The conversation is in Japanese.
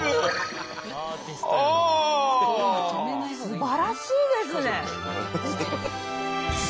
すばらしいですね。